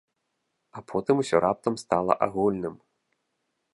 А потым усё раптам стала агульным.